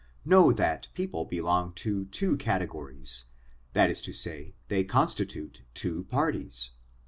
Know that people belong to two categories, that is to say, they constitute two parties.